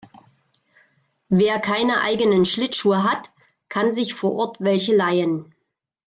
Wer keine eigenen Schlittschuhe hat, kann sich vor Ort welche leihen.